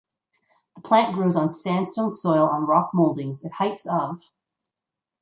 The plant grows on sandstone soil on rock moldings at heights of